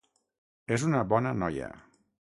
És una bona noia.